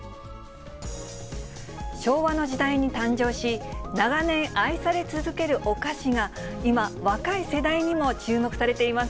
昭和の時代に誕生し、長年愛され続けるお菓子が今、若い世代にも注目されています。